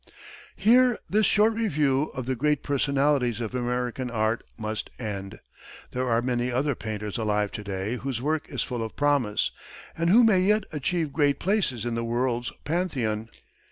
Here this short review of the great personalities of American art must end. There are many other painters alive to day whose work is full of promise, and who may yet achieve great places in the world's Pantheon.